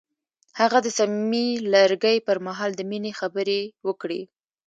هغه د صمیمي لرګی پر مهال د مینې خبرې وکړې.